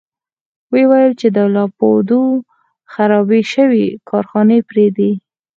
ويې ويل چې د پولادو خرابې شوې کارخانې پرېږدي.